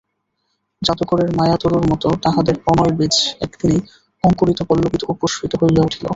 জাদুকরের মায়াতরুর মতো তাহাদের প্রণয়বীজ একদিনেই অঙ্কুরিত পল্লবিত ও পুষ্পিত হইয়া উঠিল।